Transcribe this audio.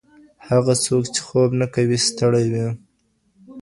هغه څوک چې خوب نه کوي، ستړی وي.